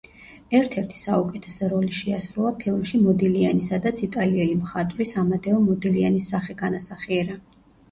ერთ-ერთი საუკეთესო როლი შეასრულა ფილმში „მოდილიანი“, სადაც იტალიელი მხატვრის ამადეო მოდილიანის სახე განასახიერა.